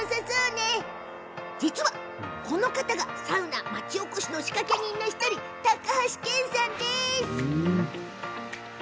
なんと、実は、この方がサウナ町おこしの仕掛け人の１人高橋ケンさん。